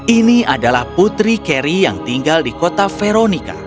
ini adalah putri carry yang tinggal di kota veronica